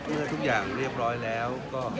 เพื่อทุกอย่างเรียบร้อยแล้ว